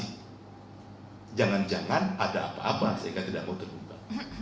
tapi jangan jangan ada apa apa sehingga tidak mau terbuka